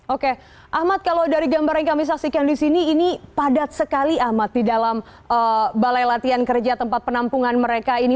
oke ahmad kalau dari gambar yang kami saksikan di sini ini padat sekali ahmad di dalam balai latihan kerja tempat penampungan mereka ini